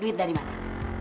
duit dari mana